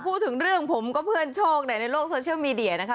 พูดถึงเรื่องผมก็เพื่อนโชคในโลกโซเชียลมีเดียนะคะ